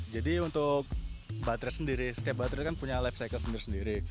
jadi untuk setiap baterai punya life cycle sendiri